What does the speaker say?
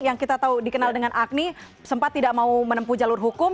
yang kita tahu dikenal dengan agni sempat tidak mau menempuh jalur hukum